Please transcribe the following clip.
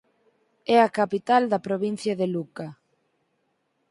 É a capital da Provincia de Lucca.